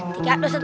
tiga dua satu